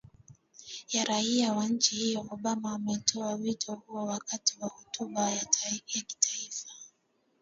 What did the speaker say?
ya raia wa nchi hiyo obama ametoa wito huo wakati wa hotuba ya kitaifa